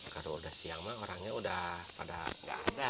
kalau udah siang mah orangnya udah pada nggak ada